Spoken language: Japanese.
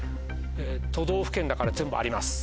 都道府県だから全部あります。